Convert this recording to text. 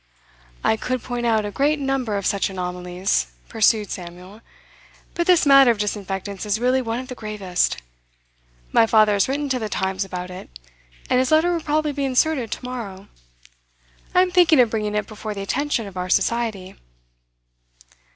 'I could point out a great number of such anomalies,' pursued Samuel. 'But this matter of disinfectants is really one of the gravest. My father has written to The Times about it, and his letter will probably be inserted to morrow. I am thinking of bringing it before the attention of our Society.